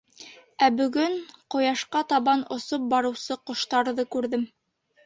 Ә бөгөн... ҡояшҡа табан осоп барыусы ҡоштарҙы күрҙем.